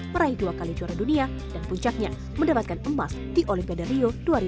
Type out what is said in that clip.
meraih dua kali juara dunia dan puncaknya mendapatkan emas di olimpia rio